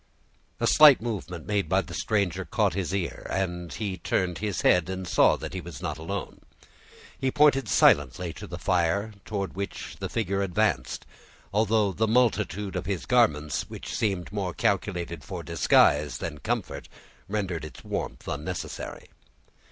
A slight movement made by the stranger caught his ear, and he turned his head, and saw that he was not alone. He pointed silently to the fire, toward which the figure advanced, although the multitude of his garments, which seemed more calculated for disguise than comfort, rendered its warmth unnecessary.